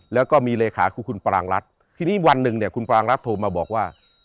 แล้วก็มีเลขาคือคุณปรางรัฐทีนี้วันหนึ่งเนี่ยคุณปรางรัฐโทรมาบอกว่า